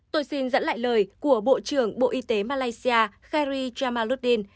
tôi xin dẫn lại lời của bộ trưởng bộ y tế malaysia khairi jamaluddin